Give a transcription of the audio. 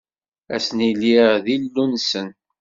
A sen-iliɣ d Illu-nsen.